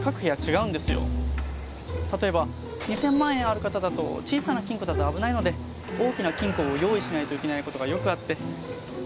例えば２０００万円ある方だと小さな金庫だと危ないので大きな金庫を用意しないといけないことがよくあって。